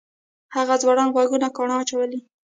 هغه ځوړند غوږونه کاڼه اچولي